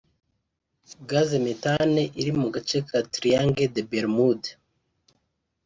Gaz Methane iri mu gace ka Triange des Bermude